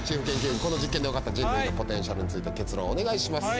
この実験で分かった人類のポテンシャルについて結論をお願いします。